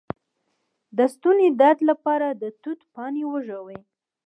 د ستوني درد لپاره د توت پاڼې وژويئ